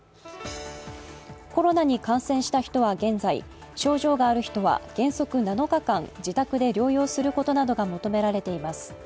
コロナに感染した人は現在、症状がある人は原則７日間自宅で療養することなどが求められています。